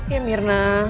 ya mir nah